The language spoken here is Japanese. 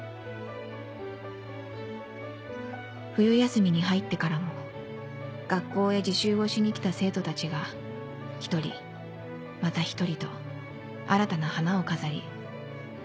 冬休みに入ってからも学校へ自習をしに来た生徒たちが一人また一人と新たな花を飾り